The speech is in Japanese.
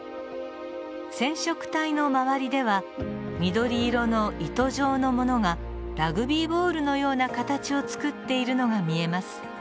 染色体の周りでは緑色の糸状のものがラグビーボールのような形を作っているのが見えます。